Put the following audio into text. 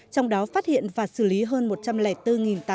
trong đó phát hiện và xử lý hơn